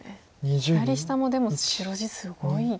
左下もでも白地すごい。